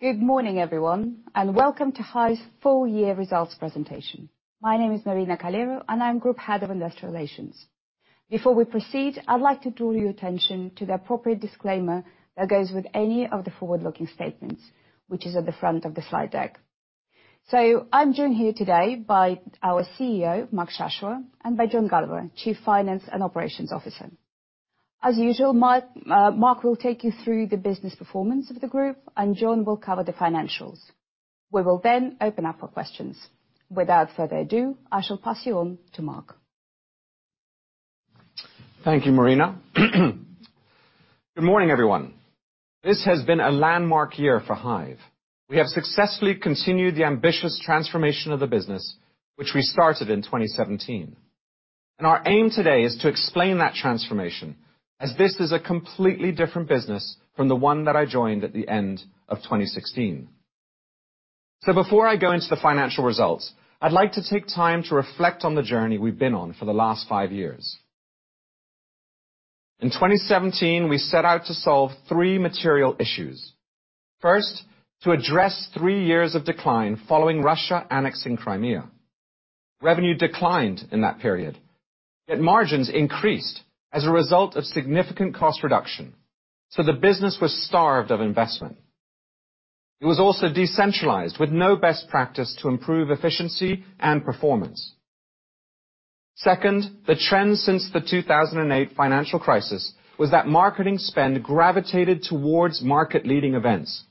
Good morning, everyone, and welcome to Hyve's Full-Year Results Presentation. My name is Marina Calero, and I'm Group Head of Investor Relations. Before we proceed, I'd like to draw your attention to the appropriate disclaimer that goes with any of the forward-looking statements, which is at the front of the slide deck. I'm joined here today by our CEO, Mark Shashoua, and by John Gulliver, Chief Finance and Operations Officer. As usual, Mark will take you through the business performance of the group, and John will cover the financials. We will then open up for questions. Without further ado, I shall pass you on to Mark. Thank you, Marina. Good morning, everyone. This has been a landmark year for Hyve. We have successfully continued the ambitious transformation of the business, which we started in 2017. Our aim today is to explain that transformation as this is a completely different business from the one that I joined at the end of 2016. Before I go into the financial results, I'd like to take time to reflect on the journey we've been on for the last five years. In 2017, we set out to solve three material issues. First, to address three years of decline following Russia annexing Crimea. Revenue declined in that period, yet margins increased as a result of significant cost reduction, so the business was starved of investment. It was also decentralized with no best practice to improve efficiency and performance. Second, the trend since the 2008 financial crisis was that marketing spend gravitated towards market-leading events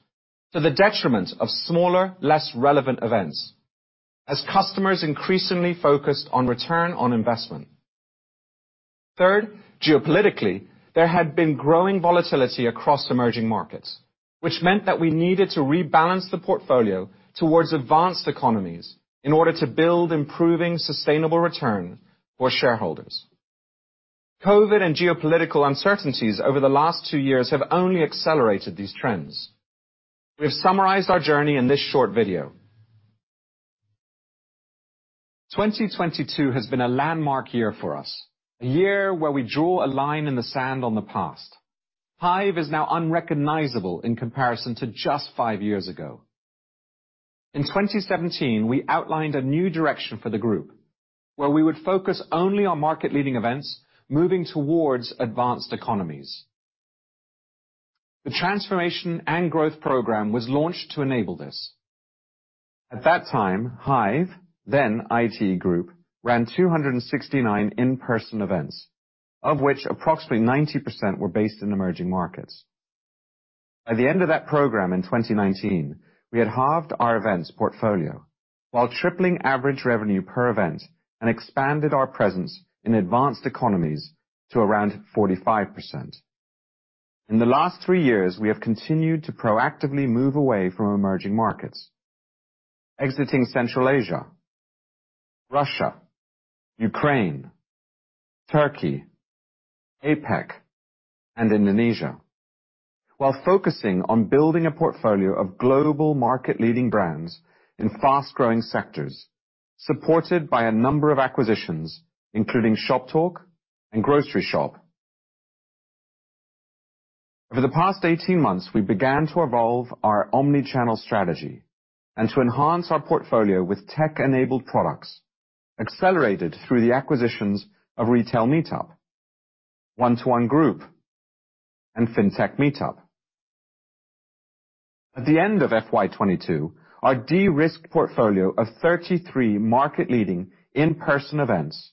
to the detriment of smaller, less relevant events as customers increasingly focused on ROI. Third, geopolitically, there had been growing volatility across emerging markets, which meant that we needed to rebalance the portfolio towards advanced economies in order to build improving sustainable return for shareholders. COVID-19 and geopolitical uncertainties over the last two years have only accelerated these trends. We have summarized our journey in this short video. 2022 has been a landmark year for us, a year where we draw a line in the sand on the past. Hyve is now unrecognizable in comparison to just five years ago. In 2017, we outlined a new direction for the group, where we would focus only on market-leading events, moving towards advanced economies. The transformation and growth program was launched to enable this. At that time, Hyve, then ITE Group, ran 269 in-person events, of which approximately 90% were based in emerging markets. By the end of that program in 2019, we had halved our events portfolio while tripling average revenue per event and expanded our presence in advanced economies to around 45%. In the last three years, we have continued to proactively move away from emerging markets, exiting Central Asia, Russia, Ukraine, Turkey, APAC, and Indonesia while focusing on building a portfolio of global market-leading brands in fast-growing sectors, supported by a number of acquisitions, including Shoptalk and Groceryshop. Over the past 18 months, we began to evolve our omni-channel strategy and to enhance our portfolio with tech-enabled products accelerated through the acquisitions of Retail Meetup, One2One Group, and Fintech Meetup. At the end of FY 2022, our de-risked portfolio of 33 market-leading in-person events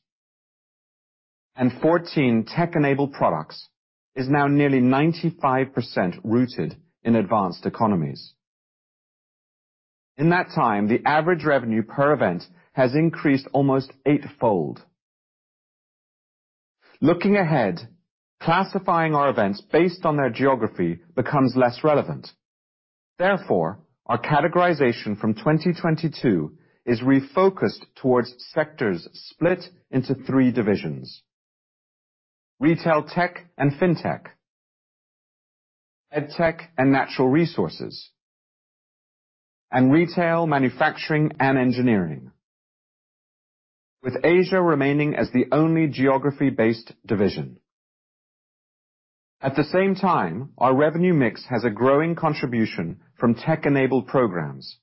and 14 tech-enabled products is now nearly 95% rooted in advanced economies. In that time, the average revenue per event has increased almost eightfold. Looking ahead, classifying our events based on their geography becomes less relevant. Our categorization from 2022 is refocused towards sectors split into three divisions. RetailTech & FinTech, EdTech & Natural Resources, and Retail, Manufacturing & Engineering. With Asia remaining as the only geography-based division. At the same time, our revenue mix has a growing contribution from tech-enabled programs,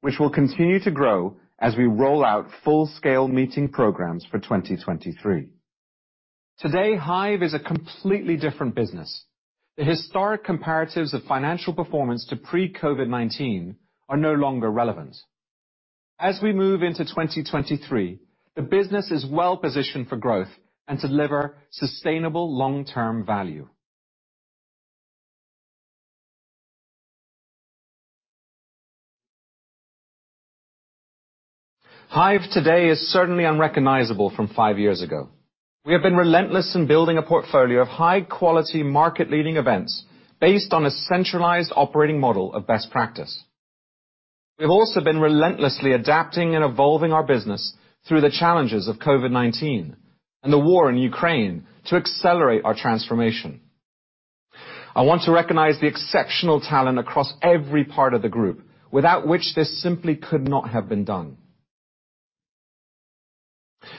which will continue to grow as we roll out full-scale meeting programs for 2023. Today, Hyve is a completely different business. The historic comparatives of financial performance to pre-COVID-19 are no longer relevant. As we move into 2023, the business is well positioned for growth and to deliver sustainable long-term value. Hyve today is certainly unrecognizable from five years ago. We have been relentless in building a portfolio of high-quality market-leading events based on a centralized operating model of best practice. We've also been relentlessly adapting and evolving our business through the challenges of COVID-19 and the war in Ukraine to accelerate our transformation. I want to recognize the exceptional talent across every part of the group, without which this simply could not have been done.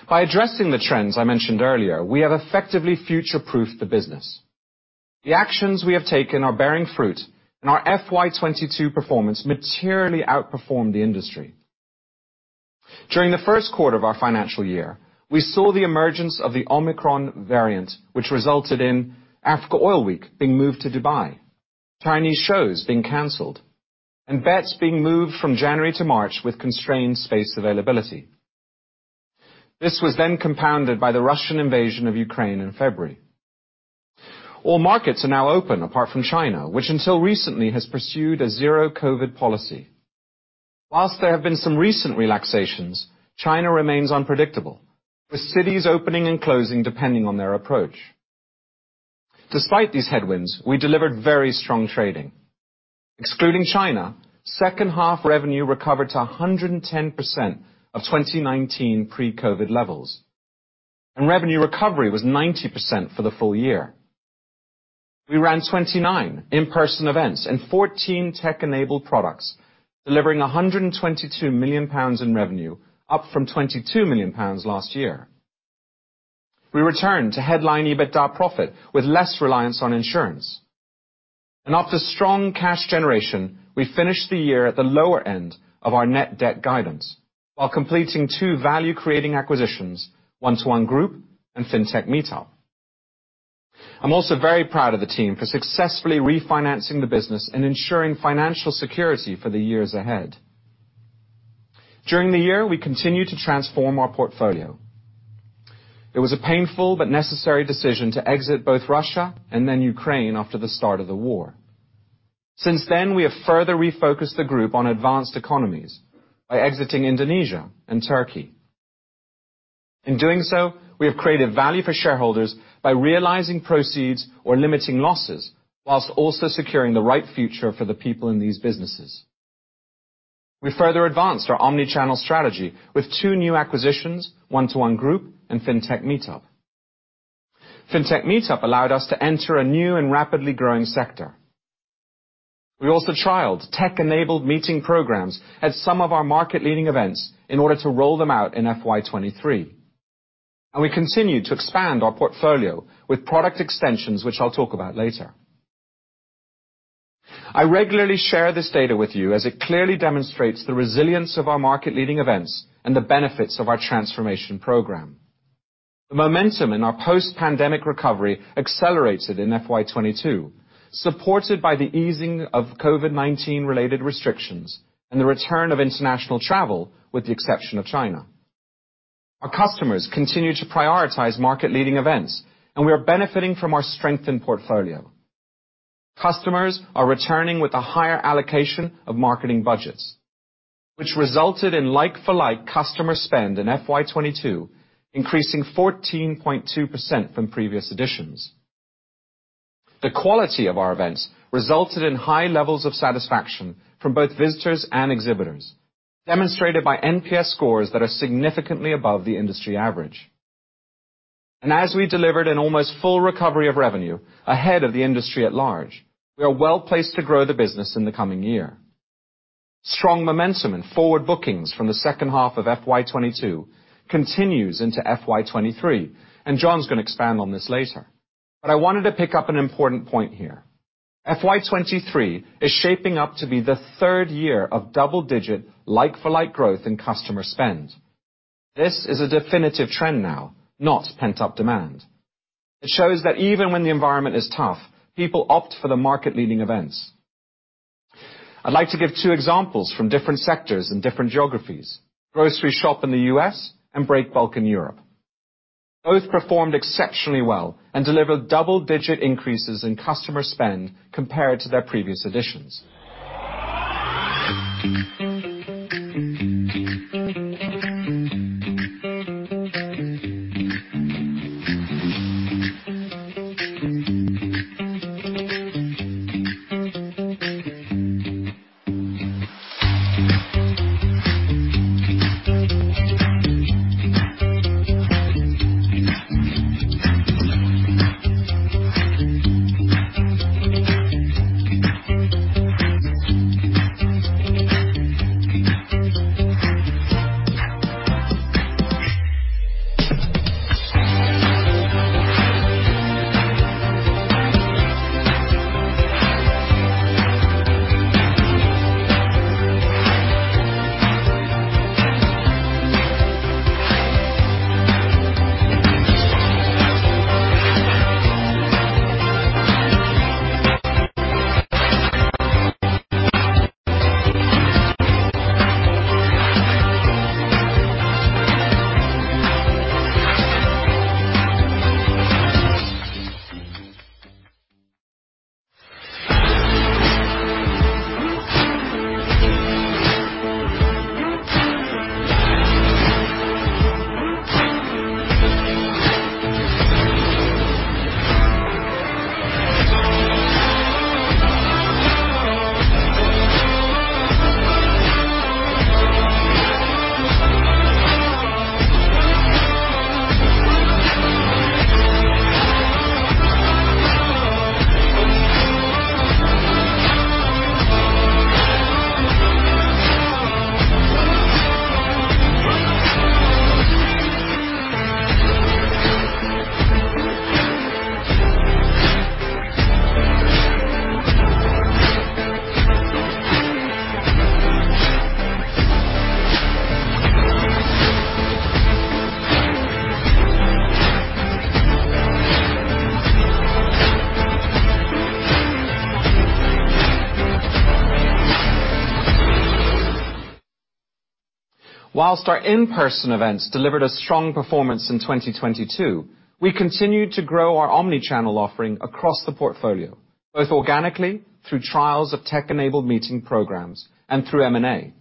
By addressing the trends I mentioned earlier, we have effectively future-proofed the business. The actions we have taken are bearing fruit, and our FY 2022 performance materially outperformed the industry. During the first quarter of our financial year, we saw the emergence of the Omicron variant, which resulted in Africa Oil Week being moved to Dubai, Chinese shows being canceled, and Bett being moved from January to March with constrained space availability. This was then compounded by the Russian invasion of Ukraine in February. All markets are now open apart from China, which until recently has pursued a zero-COVID policy. There have been some recent relaxations, China remains unpredictable, with cities opening and closing depending on their approach. Despite these headwinds, we delivered very strong trading. Excluding China, second half revenue recovered to 110% of 2019 pre-COVID levels, and revenue recovery was 90% for the full-year. We ran 29 in-person events and 14 tech-enabled products, delivering 122 million pounds in revenue, up from 22 million pounds last year. We returned to headline EBITDA profit with less reliance on insurance. After strong cash generation, we finished the year at the lower end of our net debt guidance while completing two value-creating acquisitions, One2One Group and Fintech Meetup. I'm also very proud of the team for successfully refinancing the business and ensuring financial security for the years ahead. During the year, we continued to transform our portfolio. It was a painful but necessary decision to exit both Russia and then Ukraine after the start of the war. Since then, we have further refocused the group on advanced economies by exiting Indonesia and Turkey. In doing so, we have created value for shareholders by realizing proceeds or limiting losses while also securing the right future for the people in these businesses. We further advanced our omni-channel strategy with two new acquisitions, One2One Group and Fintech Meetup. Fintech Meetup allowed us to enter a new and rapidly growing sector. We also trialed tech-enabled meeting programs at some of our market-leading events in order to roll them out in FY 2023. We continued to expand our portfolio with product extensions, which I'll talk about later. I regularly share this data with you as it clearly demonstrates the resilience of our market-leading events and the benefits of our transformation program. The momentum in our post-pandemic recovery accelerated in FY 2022, supported by the easing of COVID-19 related restrictions and the return of international travel, with the exception of China. Our customers continue to prioritize market-leading events, and we are benefiting from our strengthened portfolio. Customers are returning with a higher allocation of marketing budgets, which resulted in like-for-like customer spend in FY 2022, increasing 14.2% from previous editions. The quality of our events resulted in high levels of satisfaction from both visitors and exhibitors, demonstrated by NPS scores that are significantly above the industry average. As we delivered an almost full recovery of revenue ahead of the industry at large, we are well-placed to grow the business in the coming year. Strong momentum and forward bookings from the second half of FY 2022 continues into FY 2023, John's gonna expand on this later. I wanted to pick up an important point here. FY 2023 is shaping up to be the third year of double-digit, like-for-like growth in customer spend. This is a definitive trend now, not pent-up demand. It shows that even when the environment is tough, people opt for the market-leading events. I'd like to give two examples from different sectors and different geographies, Groceryshop in the U.S. and Breakbulk in Europe. Both performed exceptionally well and delivered double-digit increases in customer spend compared to their previous editions. Whilst our in-person events delivered a strong performance in 2022, we continued to grow our omni-channel offering across the portfolio, both organically through trials of tech-enabled meeting programs and through M&A.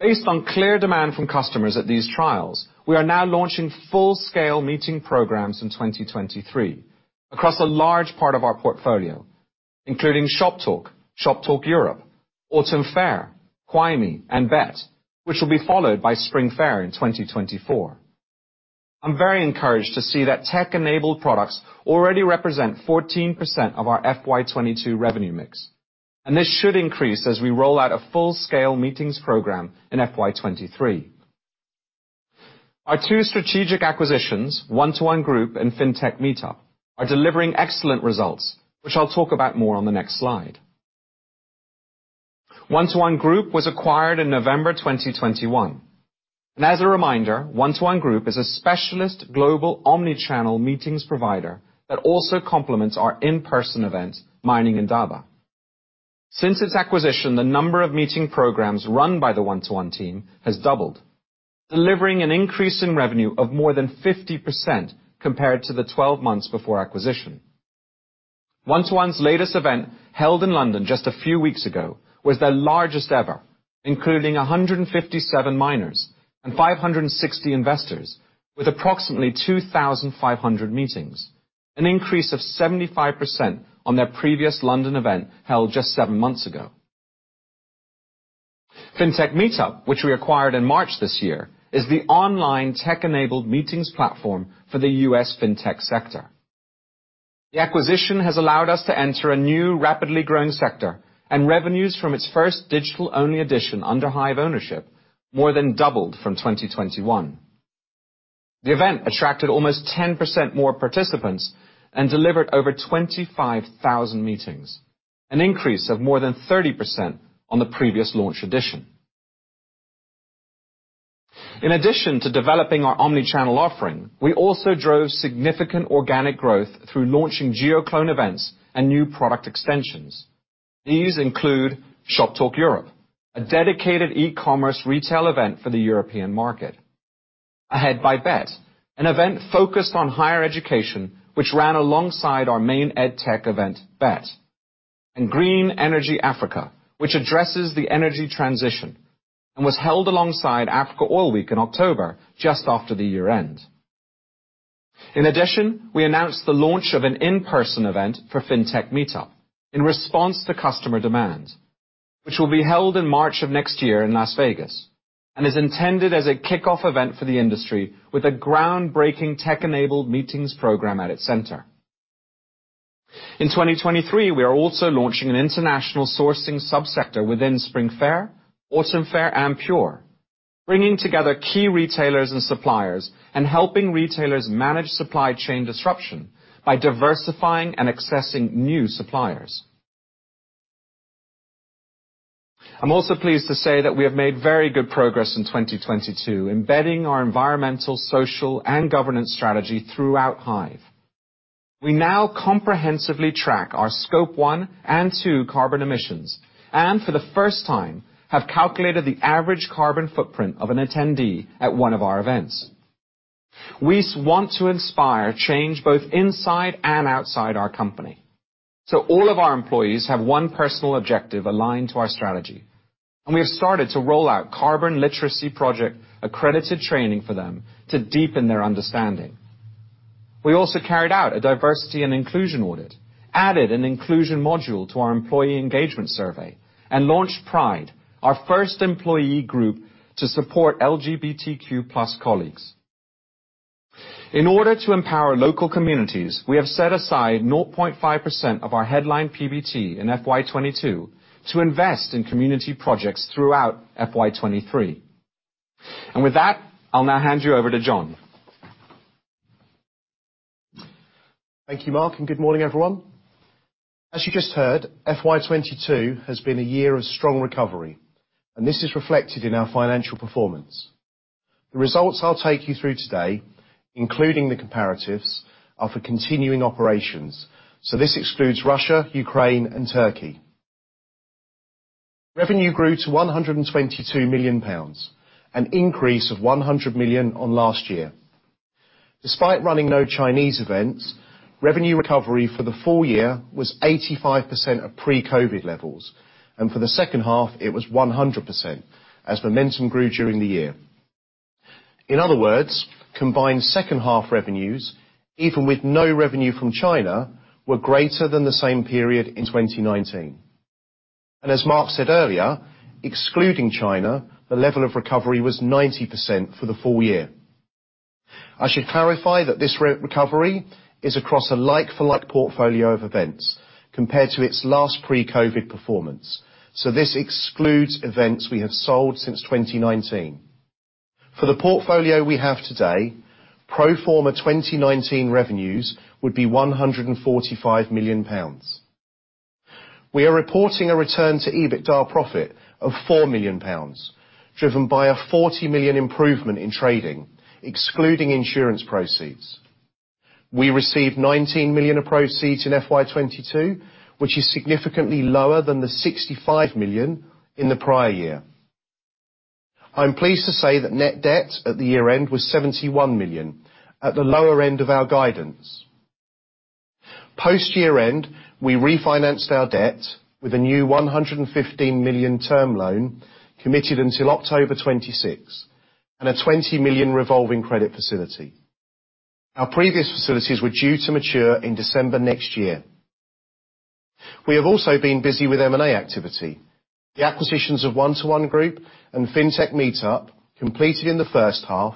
Based on clear demand from customers at these trials, we are now launching full-scale meeting programs in 2023 across a large part of our portfolio, including Shoptalk Europe, Autumn Fair, CWIEME, and Bett, which will be followed by Spring Fair in 2024. I'm very encouraged to see that tech-enabled products already represent 14% of our FY 2022 revenue mix, and this should increase as we roll out a full-scale meetings program in FY 2023. Our two strategic acquisitions, One2One Group and Fintech Meetup, are delivering excellent results, which I'll talk about more on the next slide. One2One Group was acquired in November 2021. As a reminder, One2One Group is a specialist global omni-channel meetings provider that also complements our in-person event, Mining Indaba. Since its acquisition, the number of meeting programs run by the One2One team has doubled, delivering an increase in revenue of more than 50% compared to the 12 months before acquisition. One2One's latest event, held in London just a few weeks ago, was their largest ever, including 157 miners and 560 investors with approximately 2,500 meetings, an increase of 75% on their previous London event held just seven months ago. Fintech Meetup, which we acquired in March this year, is the online tech-enabled meetings platform for the U.S. fintech sector. The acquisition has allowed us to enter a new, rapidly growing sector. Revenues from its first digital-only edition under Hyve ownership more than doubled from 2021. The event attracted almost 10% more participants and delivered over 25,000 meetings, an increase of more than 30% on the previous launch edition. In addition to developing our omnichannel offering, we also drove significant organic growth through launching geo-cloning events and new product extensions. These include Shoptalk Europe, a dedicated e-commerce retail event for the European market. Ahead by Bett, an event focused on higher education, which ran alongside our main EdTech event, Bett. Green Energy Africa, which addresses the energy transition, and was held alongside Africa Oil Week in October, just after the year-end. In addition, we announced the launch of an in-person event for Fintech Meetup in response to customer demand, which will be held in March of next year in Las Vegas, and is intended as a kickoff event for the industry with a groundbreaking tech-enabled meetings program at its center. In 2023, we are also launching an international sourcing subsector within Spring Fair, Autumn Fair, and Pure, bringing together key retailers and suppliers and helping retailers manage supply chain disruption by diversifying and accessing new suppliers. I'm also pleased to say that we have made very good progress in 2022 embedding our environmental, social, and governance strategy throughout Hyve. We now comprehensively track our Scope 1 and 2 carbon emissions, and for the first time have calculated the average carbon footprint of an attendee at one of our events. We want to inspire change both inside and outside our company, so all of our employees have one personal objective aligned to our strategy, and we have started to roll out Carbon Literacy Project accredited training for them to deepen their understanding. We also carried out a diversity and inclusion audit, added an inclusion module to our employee engagement survey, and launched Pride, our first employee group to support LGBTQ plus colleagues. In order to empower local communities, we have set aside 0.5% of our headline PBT in FY 2022 to invest in community projects throughout FY 2023. With that, I'll now hand you over to John. Thank you, Mark. Good morning, everyone. As you just heard, FY 2022 has been a year of strong recovery, and this is reflected in our financial performance. The results I'll take you through today, including the comparatives, are for continuing operations. This excludes Russia, Ukraine, and Turkey. Revenue grew to 122 million pounds, an increase of 100 million on last year. Despite running no Chinese events, revenue recovery for the full year was 85% of pre-COVID levels, and for the second half it was 100% as momentum grew during the year. In other words, combined second half revenues, even with no revenue from China, were greater than the same period in 2019. As Mark said earlier, excluding China, the level of recovery was 90% for the full-year. I should clarify that this recovery is across a like-for-like portfolio of events compared to its last pre-COVID performance. This excludes events we have sold since 2019. For the portfolio we have today, pro forma 2019 revenues would be GBP 145 million. We are reporting a return to EBITDA profit of 4 million pounds, driven by a 40 million improvement in trading, excluding insurance proceeds. We received 19 million of proceeds in FY 2022, which is significantly lower than the 65 million in the prior year. I'm pleased to say that net debt at the year-end was 71 million, at the lower end of our guidance. Post year-end, we refinanced our debt with a new 115 million term loan committed until October 2026 and a 20 million revolving credit facility. Our previous facilities were due to mature in December next year. We have also been busy with M&A activity. The acquisitions of One2One Group and Fintech Meetup completed in the first half,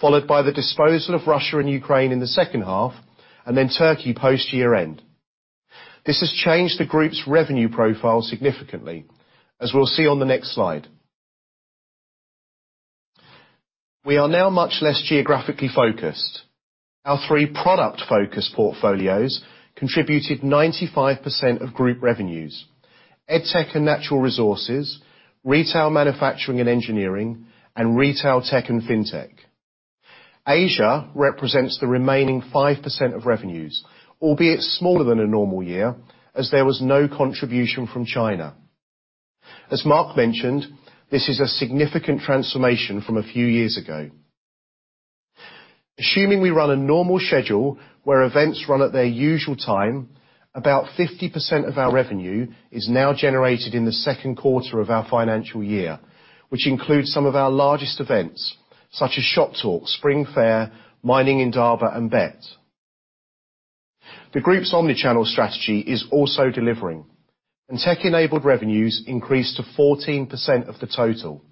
followed by the disposal of Russia and Ukraine in the second half, and then Turkey post year-end. This has changed the group's revenue profile significantly as we'll see on the next slide. We are now much less geographically focused. Our three product-focused portfolios contributed 95% of group revenues. EdTech & Natural Resources, Retail, Manufacturing & Engineering, and RetailTech & FinTech. Asia represents the remaining 5% of revenues, albeit smaller than a normal year as there was no contribution from China. As Mark mentioned, this is a significant transformation from a few years ago. Assuming we run a normal schedule where events run at their usual time, about 50% of our revenue is now generated in the second quarter of our financial year, which includes some of our largest events such as Shoptalk, Spring Fair, Mining Indaba, and Bett. The group's omnichannel strategy is also delivering. Tech-enabled revenues increased to 14% of the total.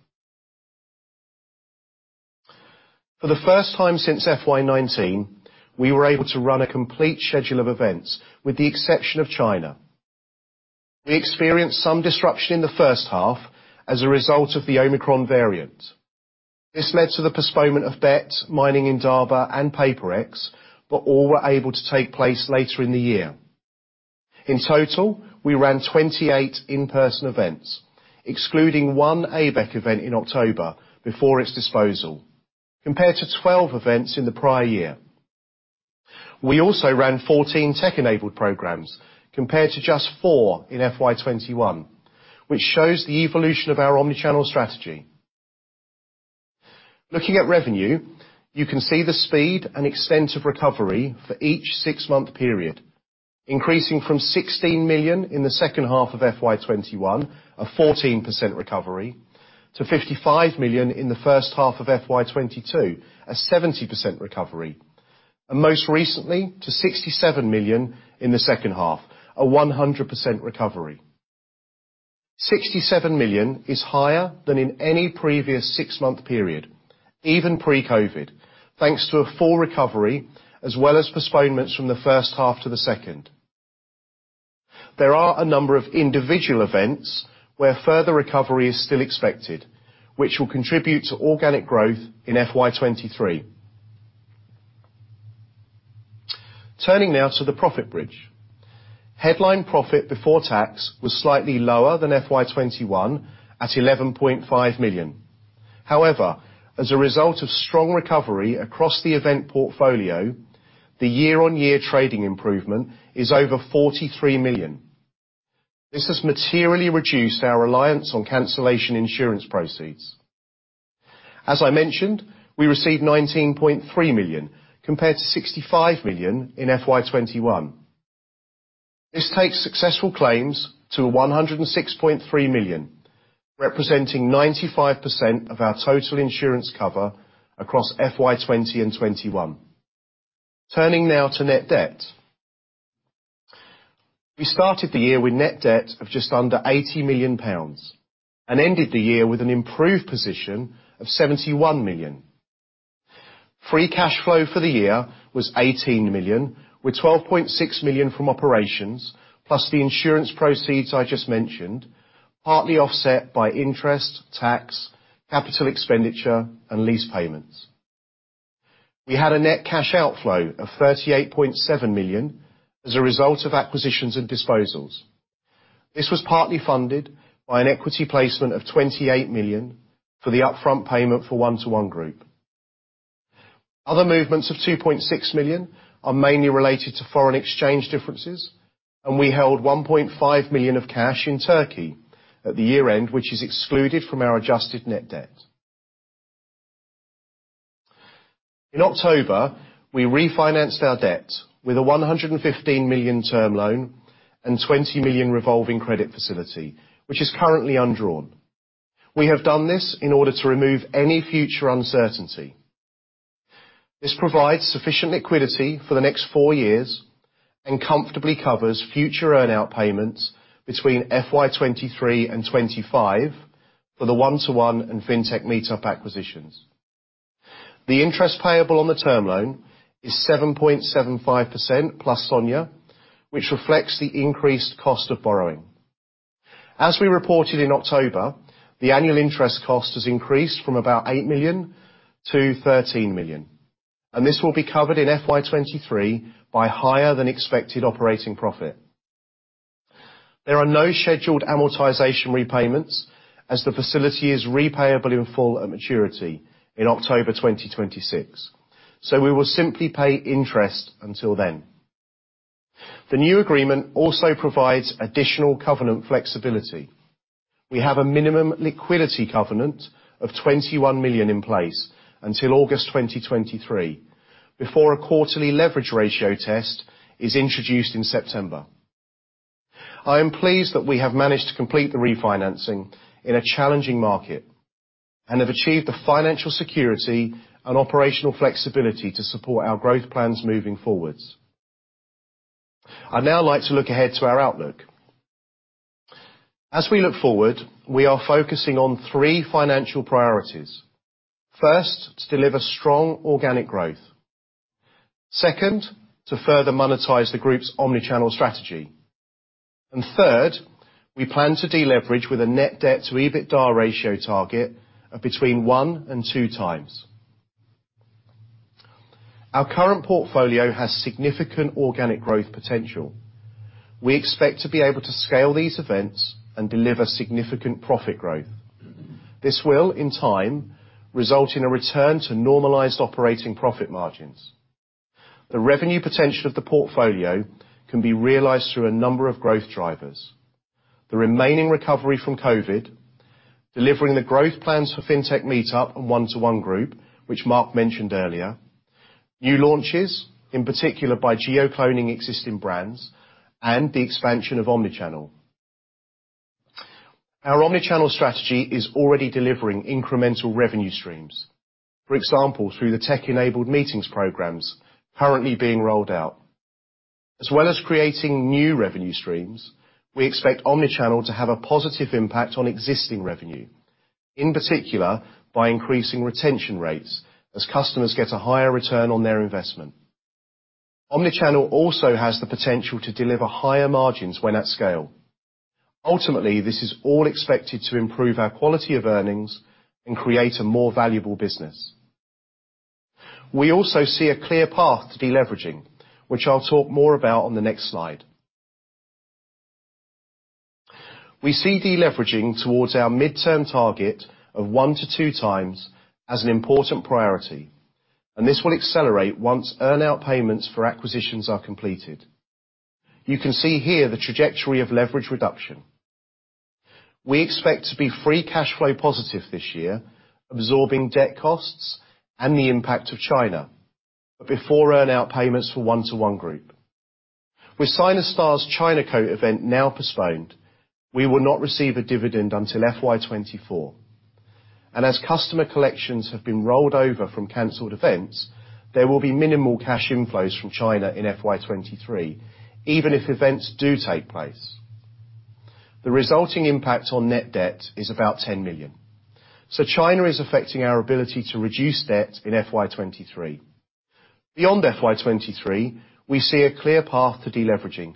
For the first time since FY 2019, we were able to run a complete schedule of events with the exception of China. We experienced some disruption in the first half as a result of the Omicron variant. This led to the postponement of Bett, Mining Indaba, and Paperex. All were able to take place later in the year. In total, we ran 28 in-person events, excluding one ABEC event in October before its disposal, compared to 12 events in the prior year. We also ran 14 tech-enabled programs compared to just four in FY 2021, which shows the evolution of our omni-channel strategy. Looking at revenue, you can see the speed and extent of recovery for each six-month period, increasing from 16 million in the second half of FY 2021, a 14% recovery, to 55 million in the first half of FY22, a 70% recovery. Most recently to 67 million in the second half, a 100% recovery. 67 million is higher than in any previous six-month period, even pre-COVID, thanks to a full recovery as well as postponements from the first half to the second. There are a number of individual events where further recovery is still expected, which will contribute to organic growth in FY 2023. Turning now to the profit bridge. Headline profit before tax was slightly lower than FY 2021 at 11.5 million. As a result of strong recovery across the event portfolio, the year-on-year trading improvement is over 43 million. This has materially reduced our reliance on cancellation insurance proceeds. As I mentioned, we received 19.3 million compared to 65 million in FY 2021. This takes successful claims to a 106.3 million, representing 95% of our total insurance cover across FY 2020 and 2021. Turning now to net debt. We started the year with net debt of just under 80 million pounds and ended the year with an improved position of 71 million. Free cash flow for the year was 18 million, with 12.6 million from operations, plus the insurance proceeds I just mentioned, partly offset by interest, tax, capital expenditure, and lease payments. We had a net cash outflow of 38.7 million as a result of acquisitions and disposals. This was partly funded by an equity placement of 28 million for the upfront payment for One2One Group. Other movements of 2.6 million are mainly related to foreign exchange differences, and we held 1.5 million of cash in Turkey at the year-end, which is excluded from our adjusted net debt. In October, we refinanced our debt with a 115 million term loan and 20 million revolving credit facility, which is currently undrawn. We have done this in order to remove any future uncertainty. This provides sufficient liquidity for the next four years. Comfortably covers future earn-out payments between FY 2023 and 2025 for the One2One and Fintech Meetup acquisitions. The interest payable on the term loan is 7.75%, plus SONIA, which reflects the increased cost of borrowing. As we reported in October, the annual interest cost has increased from about 8 million to 13 million, and this will be covered in FY 2023 by higher than expected operating profit. There are no scheduled amortization repayments, as the facility is repayable in full at maturity in October 2026. We will simply pay interest until then. The new agreement also provides additional covenant flexibility. We have a minimum liquidity covenant of 21 million in place until August 2023, before a quarterly leverage ratio test is introduced in September. I am pleased that we have managed to complete the refinancing in a challenging market, and have achieved the financial security and operational flexibility to support our growth plans moving forwards. I'd now like to look ahead to our outlook. As we look forward, we are focusing on three financial priorities. First, to deliver strong organic growth. Second, to further monetize the group's omni-channel strategy. Third, we plan to deleverage with a net debt-to-EBITDA ratio target of between one and two times. Our current portfolio has significant organic growth potential. We expect to be able to scale these events and deliver significant profit growth. This will, in time, result in a return to normalized operating profit margins. The revenue potential of the portfolio can be realized through a number of growth drivers, the remaining recovery from COVID, delivering the growth plans for Fintech Meetup and One2One Group, which Mark mentioned earlier, new launches, in particular by geo-cloning existing brands, and the expansion of omni-channel. Our omni-channel strategy is already delivering incremental revenue streams. For example, through the tech-enabled meetings programs currently being rolled out. As well as creating new revenue streams, we expect omni-channel to have a positive impact on existing revenue, in particular by increasing retention rates as customers get a higher return on their investment. Omni-channel also has the potential to deliver higher margins when at scale. Ultimately, this is all expected to improve our quality of earnings and create a more valuable business. We also see a clear path to deleveraging, which I'll talk more about on the next slide. We see deleveraging towards our midterm target of 1x to 2x as an important priority. This will accelerate once earn-out payments for acquisitions are completed. You can see here the trajectory of leverage reduction. We expect to be free cash flow positive this year, absorbing debt costs and the impact of China, before earn-out payments for One2One Group. With Sinostar's Chinacoat event now postponed, we will not receive a dividend until FY 2024. As customer collections have been rolled over from canceled events, there will be minimal cash inflows from China in FY 2023, even if events do take place. The resulting impact on net debt is about 10 million. China is affecting our ability to reduce debt in FY 2023. Beyond FY 2023, we see a clear path to deleveraging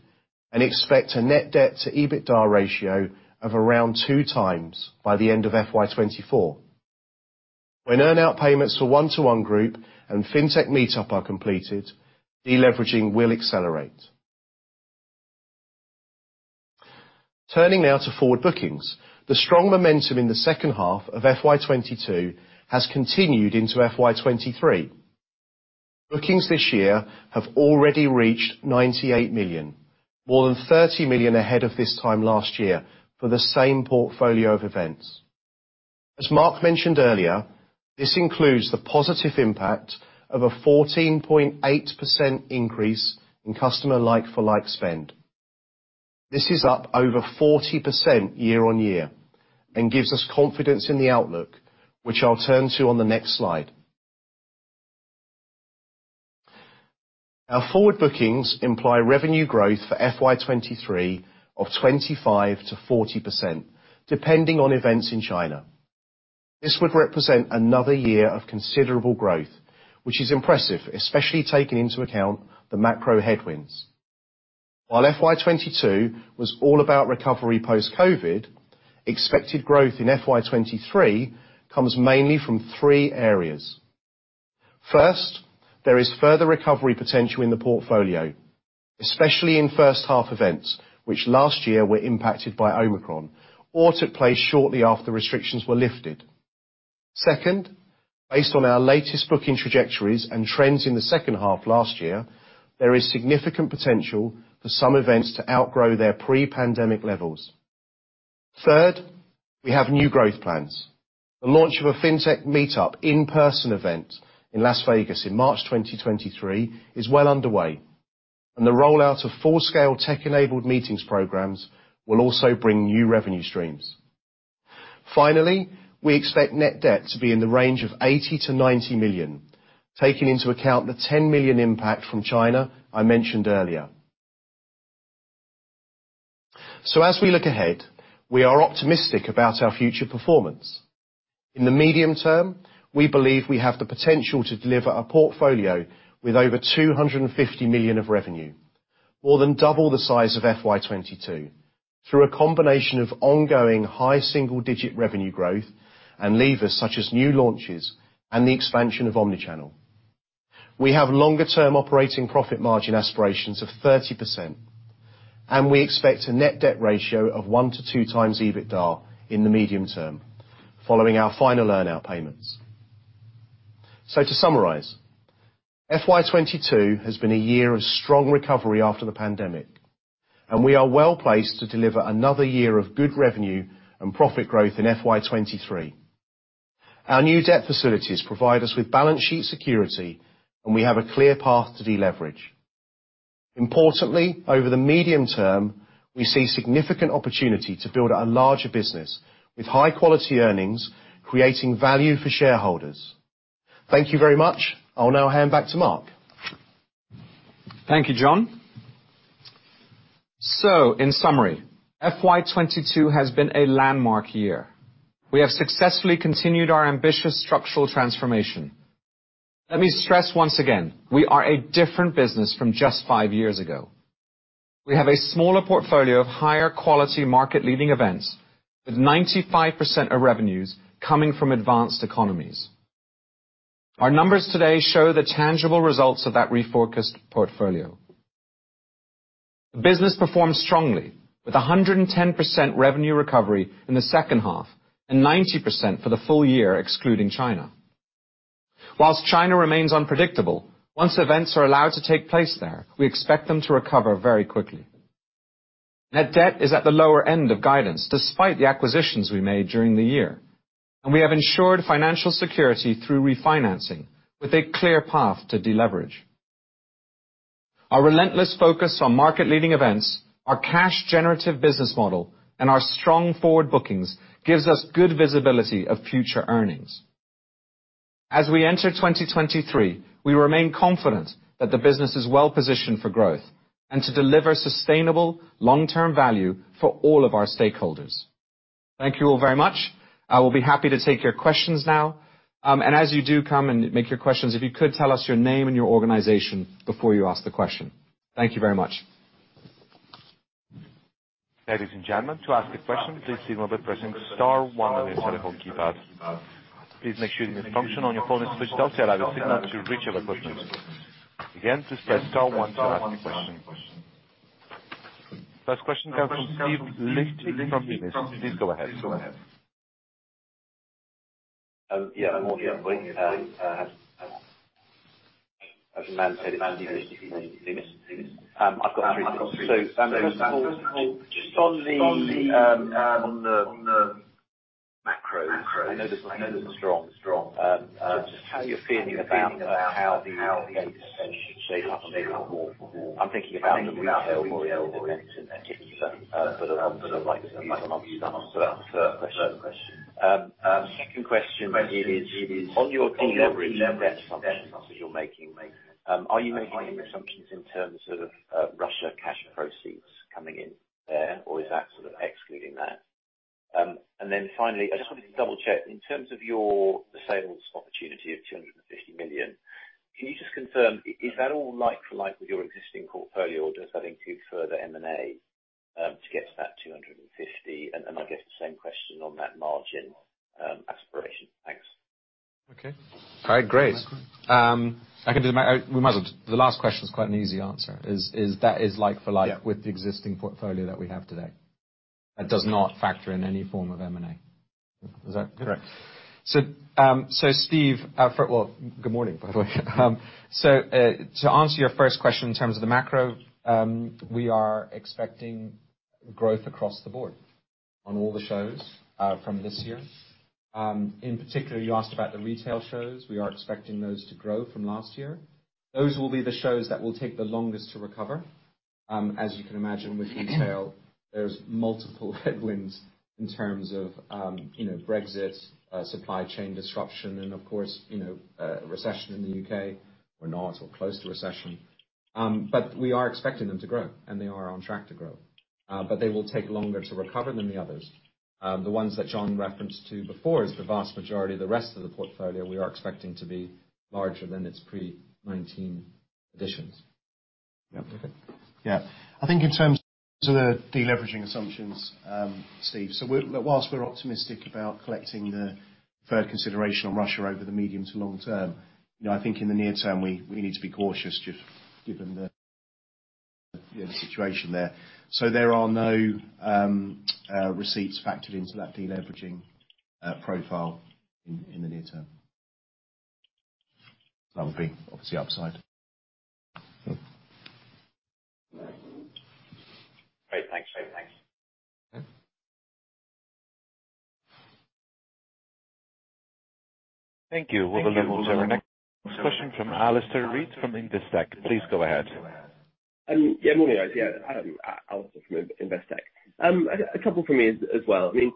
and expect a net debt-to-EBITDA ratio of around 2x by the end of FY 2024. When earn-out payments for One2One Group and Fintech Meetup are completed, deleveraging will accelerate. Turning now to forward bookings. The strong momentum in the second half of FY 2022 has continued into FY 2023. Bookings this year have already reached 98 million, more than 30 million ahead of this time last year, for the same portfolio of events. As Mark mentioned earlier, this includes the positive impact of a 14.8% increase in customer like-for-like spend. This is up over 40% year-on-year and gives us confidence in the outlook, which I'll turn to on the next slide. Our forward bookings imply revenue growth for FY 2023 of 25%-40%, depending on events in China. This would represent another year of considerable growth, which is impressive, especially taking into account the macro headwinds. While FY 2022 was all about recovery post-COVID, expected growth in FY 2023 comes mainly from three areas. First, there is further recovery potential in the portfolio, especially in first-half events, which last year were impacted by Omicron or took place shortly after restrictions were lifted. Second, based on our latest booking trajectories and trends in the second half last year, there is significant potential for some events to outgrow their pre-pandemic levels. Third, we have new growth plans. The launch of a Fintech Meetup in-person event in Las Vegas in March 2023 is well underway, and the rollout of full-scale tech-enabled meetings programs will also bring new revenue streams. We expect net debt to be in the range of 80 million-90 million, taking into account the 10 million impact from China I mentioned earlier. As we look ahead, we are optimistic about our future performance. In the medium term, we believe we have the potential to deliver a portfolio with over 250 million of revenue, more than double the size of FY 2022, through a combination of ongoing high single-digit revenue growth and levers such as new launches and the expansion of omnichannel. We have longer-term operating profit margin aspirations of 30%, and we expect a net debt ratio of 1x to 2x EBITDA in the medium term following our final earn-out payments. To summarize, FY 2022 has been a year of strong recovery after the pandemic, and we are well-placed to deliver another year of good revenue and profit growth in FY 2023. Our new debt facilities provide us with balance sheet security, and we have a clear path to deleverage. Importantly, over the medium term, we see significant opportunity to build a larger business with high-quality earnings, creating value for shareholders. Thank you very much. I'll now hand back to Mark. Thank you, John. In summary, FY 2022 has been a landmark year. We have successfully continued our ambitious structural transformation. Let me stress once again, we are a different business from just five years ago. We have a smaller portfolio of higher quality market-leading events, with 95% of revenues coming from advanced economies. Our numbers today show the tangible results of that refocused portfolio. The business performed strongly, with 110% revenue recovery in the second half and 90% for the full year, excluding China. Whilst China remains unpredictable, once events are allowed to take place there, we expect them to recover very quickly. Net debt is at the lower end of guidance, despite the acquisitions we made during the year, and we have ensured financial security through refinancing with a clear path to deleverage. Our relentless focus on market-leading events, our cash generative business model, and our strong forward bookings gives us good visibility of future earnings. As we enter 2023, we remain confident that the business is well-positioned for growth and to deliver sustainable long-term value for all of our stakeholders. Thank you all very much. I will be happy to take your questions now. As you do come and make your questions, if you could tell us your name and your organization before you ask the question. Thank you very much. Ladies and gentlemen, to ask a question, please signal by pressing star one on your telephone keypad. Please make sure the mute function on your phone is switched off to allow the signal to reach our equipment. Again, just press star one to ask a question. First question comes from Steve Liechti from Numis. Please go ahead. Yeah, morning, everybody. As your man said, it's Steve Liechti from Numis. I've got three questions. First of all, just on the macro, I know this has been strong. Just how you're feeling about how the events should shape up for more? I'm thinking about the retail-oriented events in particular. I'd like to use that as an answer for a further question. Second question really is on your deleveraging debt functions that you're making, are you making any assumptions in terms of Russia cash proceeds coming in there, or is that sort of excluding that? Finally, I just wanted to double-check, in terms of your sales opportunity of 250 million, can you just confirm, is that all like for like with your existing portfolio, or does that include further M&A to get to that 250? I guess the same question on that margin aspiration. Thanks. Okay. All right, great. The last question is quite an easy answer is that is like for like with the existing portfolio that we have today. It does not factor in any form of M&A. Is that correct? Steve, well, good morning, by the way. To answer your first question in terms of the macro, we are expecting growth across the board on all the shows from this year. In particular, you asked about the retail shows. We are expecting those to grow from last year. Those will be the shows that will take the longest to recover. As you can imagine with retail, there's multiple headwinds in terms of, you know, Brexit, supply chain disruption and of course, you know, recession in the U.K. or not, or close to recession. We are expecting them to grow, and they are on track to grow. They will take longer to recover than the others. The ones that John referenced to before is the vast majority of the rest of the portfolio we are expecting to be larger than its pre-2019 editions. Yeah. Okay. Yeah. I think in terms of the deleveraging assumptions, Steve, whilst we're optimistic about collecting the further consideration on Russia over the medium to long term, you know, I think in the near term, we need to be cautious just given the, you know, the situation there. There are no receipts factored into that deleveraging profile in the near term. That would be obviously upside. Great, thanks. Okay. Thank you. Well, we'll turn next question from Alistair Reid from Investec. Please go ahead. Yeah, morning guys. Yeah, Alistair Reid from Investec. A couple for me as well. I mean,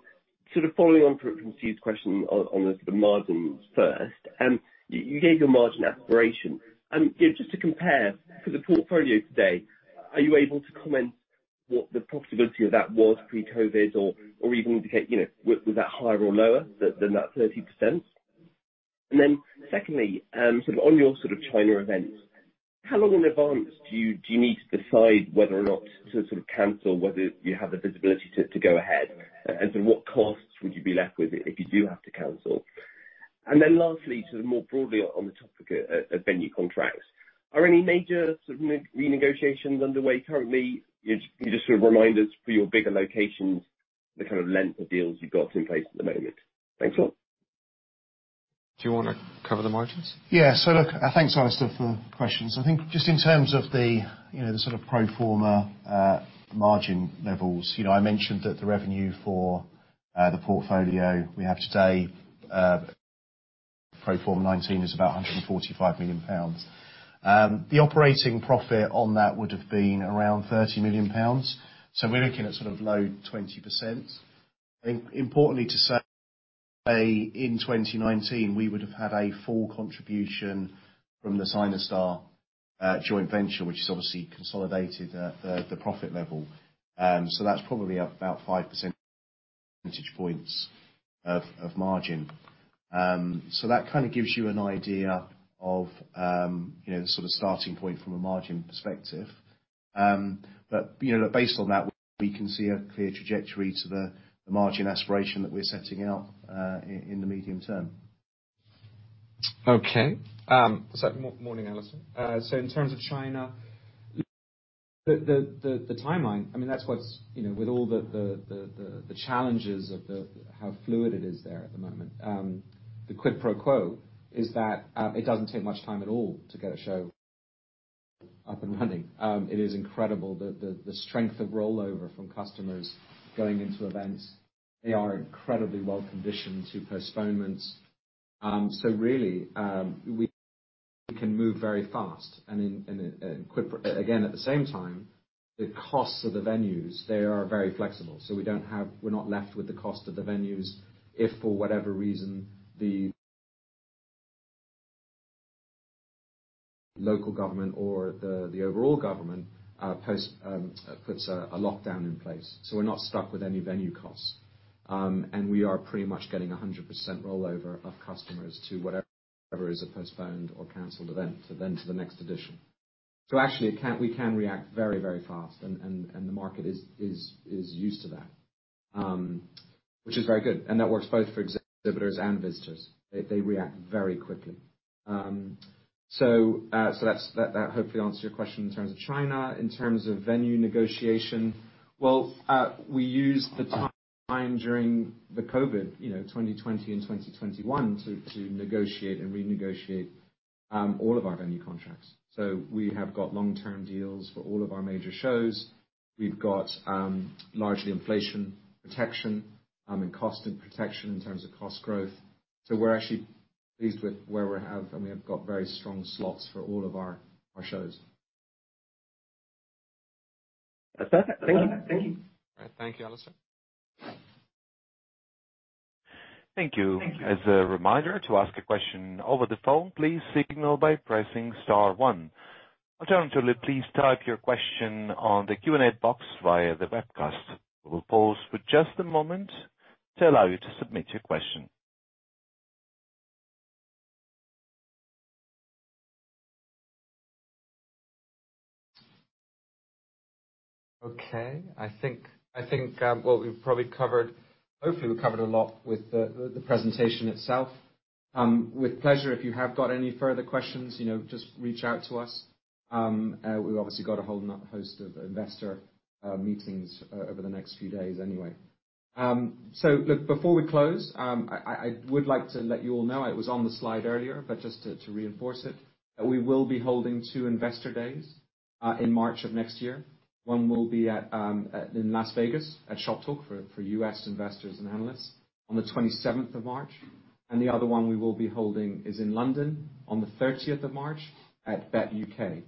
sort of following on from Steve Liechti's question on the sort of margins first. You gave your margin aspiration. You know, just to compare for the portfolio today, are you able to comment what the profitability of that was pre-COVID-19 or even indicate, you know, was that higher or lower than that 30%? Then secondly, sort of on your sort of China events, how long in advance do you need to decide whether or not to sort of cancel, whether you have the visibility to go ahead? What costs would you be left with if you do have to cancel? Then lastly, sort of more broadly on the topic of venue contracts. Are any major sort of renegotiations underway currently? Can you just sort of remind us for your bigger locations, the kind of length of deals you've got in place at the moment? Thanks a lot. Do you wanna cover the margins? Yeah. Look, thanks, Alistair for the questions. I think just in terms of the, you know, the sort of pro forma margin levels, you know, I mentioned that the revenue for the portfolio we have today pro forma 2019 is about GBP 145 million. The operating profit on that would've been around 30 million pounds, we're looking at sort of low 20%. Importantly to say, in 2019, we would've had a full contribution from the Sinostar joint venture, which has obviously consolidated the profit level. That's probably up about five percentage points of margin. That kinda gives you an idea of, you know, the sort of starting point from a margin perspective. You know, based on that, we can see a clear trajectory to the margin aspiration that we're setting out, in the medium term. Okay. Morning, Alistair. In terms of China, the timeline, I mean, that's what's, you know, with all the challenges of how fluid it is there at the moment, the quid pro quo is that it doesn't take much time at all to get a show up and running. It is incredible the strength of rollover from customers going into events. They are incredibly well-conditioned to postponements. Really, we can move very fast. Again, at the same time, the costs of the venues, they are very flexible, so we're not left with the cost of the venues if for whatever reason, the local government or the overall government puts a lockdown in place. We're not stuck with any venue costs. We are pretty much getting 100% rollover of customers to whatever is a postponed or canceled event to then to the next edition. Actually, we can react very, very fast and the market is used to that. Which is very good, and that works both for exhibitors and visitors. They react very quickly. That hopefully answers your question in terms of China. In terms of venue negotiation, well, we used the time during the COVID, you know, 2020 and 2021 to negotiate and renegotiate all of our venue contracts. We have got long-term deals for all of our major shows. We've got largely inflation protection and cost protection in terms of cost growth. We're actually pleased with where we have, and we have got very strong slots for all of our shows. That's perfect. Thank you. Thank you. All right. Thank you, Alistair. Thank you. As a reminder, to ask a question over the phone, please signal by pressing star one. Alternatively, please type your question on the Q&A box via the webcast. We will pause for just a moment to allow you to submit your question. I think, well, we've probably covered. Hopefully, we've covered a lot with the presentation itself. With pleasure, if you have got any further questions, you know, just reach out to us. We've obviously got a whole nother host of investor meetings over the next few days anyway. Before we close, I would like to let you all know, it was on the slide earlier, but just to reinforce it, that we will be holding two investor days in March of next year. One will be in Las Vegas at Shoptalk for U.S. investors and analysts on the 27th of March. The other one we will be holding is in London on the 30th of March at Bett U.K.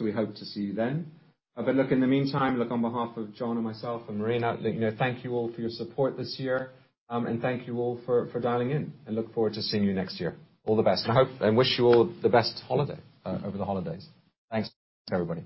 We hope to see you then. In the meantime, look, on behalf of John and myself and Marina, you know, thank you all for your support this year, and thank you all for dialing in. I look forward to seeing you next year. All the best. I hope and wish you all the best holiday over the holidays. Thanks, everybody.